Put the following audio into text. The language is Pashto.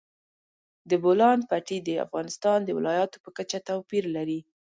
د بولان پټي د افغانستان د ولایاتو په کچه توپیر لري.